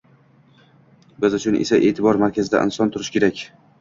Bu uchun esa e’tibor markazida inson turishi kerak.